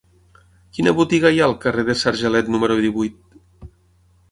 Quina botiga hi ha al carrer de Sargelet número divuit?